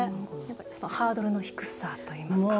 ハードルの低さといいますか。